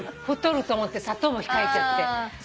太ると思って砂糖も控えちゃって。